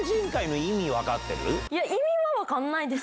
意味は分かんないです。